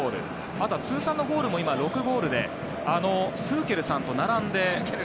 あとは通算のゴールも６ゴールでスーケルさんと並んで。